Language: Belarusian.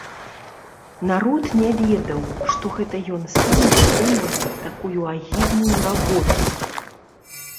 Народ не ведаў, што гэта ён сам выконвае такую агідную работу.